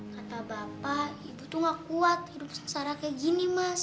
kata bapak ibu tuh gak kuat hidup sengsara kayak gini mas